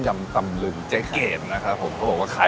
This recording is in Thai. มีวันหยุดเอ่ออาทิตย์ที่สองของเดือนค่ะ